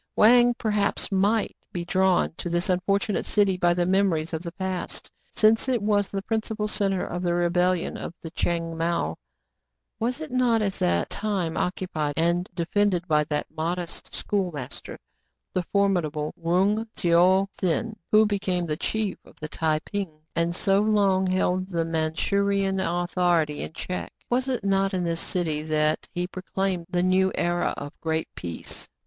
Wang, perhaps, might be drawn to this unfortunate city by the memories of the past, since it was the principal centre of the rebellion of the Tchang Mao. Was it not at that time occupied and defended by that modest schoolmaster, the formidable Rong Sieou Tsien, who became the chief of the Tai ping, and so long held the Mandshurian authority in check? KIN FO BECOMES CELEBRA TED, 1 1 7 •» Was it not in this city that he proclaimed the new era of " Great Peace